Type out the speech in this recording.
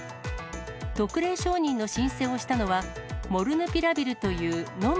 特例承認の申請をしたのは、モルヌピラビルというのむ